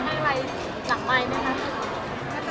ไบเฟิร์นให้อะไรสังไมมีไหมนะ